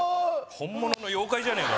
本物の妖怪じゃねえか